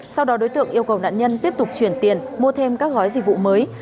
sau đó đối tượng yêu cầu nạn nhân tiếp tục chuyển tiền mua thêm các gói dịch vụ mới